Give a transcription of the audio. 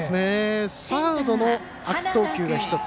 サードの悪送球が１つ。